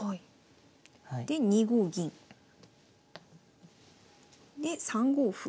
で２五銀。で３五歩。